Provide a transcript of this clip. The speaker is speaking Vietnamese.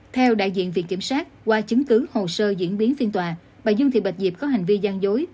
theo đại diện viện kiểm soát qua chứng cứ hồ sơ diễn biến phiên tòa bà dương thị bạch diệp có hành vi gian dối